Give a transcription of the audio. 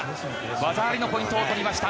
技ありのポイントを取りました。